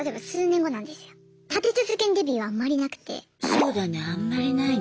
そうだねあんまりないね。